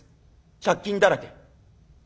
借金だらけ。